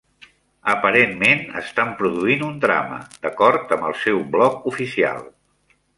Aparentment estan produint un drama, d'acord amb el seu blog oficial.